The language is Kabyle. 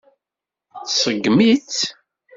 Tṣeggem-itt.